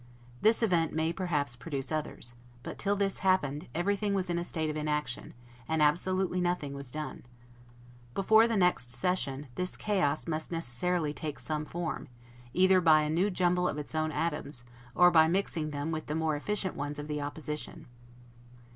This event may perhaps produce others; but, till this happened, everything was in a state of inaction, and absolutely nothing was done. Before the next session, this chaos must necessarily take some form, either by a new jumble of its own atoms, or by mixing them with the more efficient ones of the opposition.